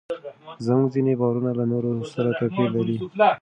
زموږ ځینې باورونه له نورو سره توپیر لري.